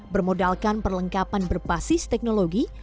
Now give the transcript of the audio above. bermodalkan perlengkapan berbasis teknologi